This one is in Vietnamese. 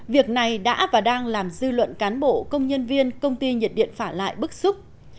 việc này đã và đang làm dư luận cán bộ công nhân viên công ty nhiệt điện phả lại bức xúc